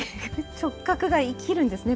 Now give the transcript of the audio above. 直角が生きるんですね